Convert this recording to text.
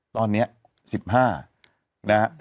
ตอนนี้๑๕นะครับ